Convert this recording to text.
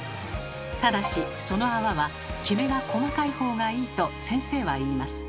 ただしその泡はキメが細かいほうがいいと先生は言います。